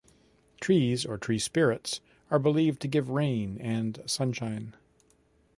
Trees or tree-spirits are believed to give rain and sunshine.